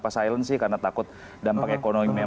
silen sih karena takut dampak ekonomi